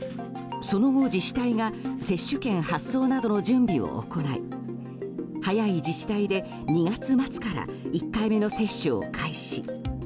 その後、自治体が接種券発送などの準備を行い早い自治体で２月末から１回目の接種を開始。